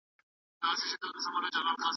فطري غریزې باید په سمه لاره رهبري سي.